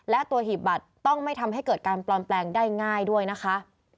และตัวหีบบัตรต้องไม่ทำให้เกิดการปลอมแปลงได้ง่ายด้วยนะคะ